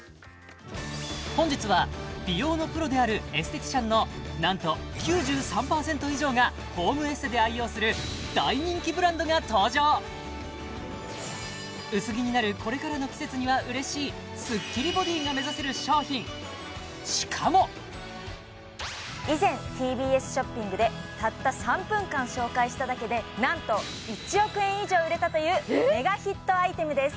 本日は美容のプロであるエステティシャンのなんと９３％以上がホームエステで愛用する大人気ブランドが登場薄着になるこれからの季節には嬉しいスッキリボディが目指せる商品しかも以前ＴＢＳショッピングでたった３分間紹介しただけでなんと１億円以上売れたというメガヒットアイテムです